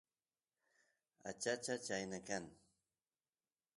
achacha chayna kan